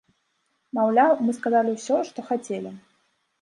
Маўляў, мы сказалі ўсё, што хацелі.